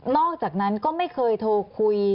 อกจากนั้นก็ไม่เคยโทรคุย